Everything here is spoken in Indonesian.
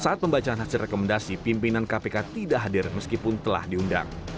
saat pembacaan hasil rekomendasi pimpinan kpk tidak hadir meskipun telah diundang